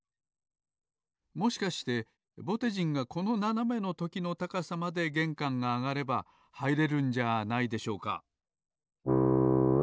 もしかしてぼてじんがこのななめのときの高さまでげんかんがあがればはいれるんじゃないでしょうか？